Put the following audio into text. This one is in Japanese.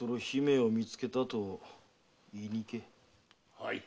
はい。